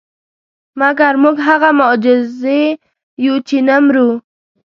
مګر موږ هغه معجزې یو چې نه مرو.